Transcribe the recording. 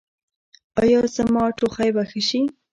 ایا زما ټوخی به ښه شي؟